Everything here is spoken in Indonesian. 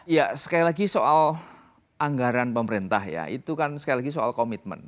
ya sekali lagi soal anggaran pemerintah ya itu kan sekali lagi soal komitmen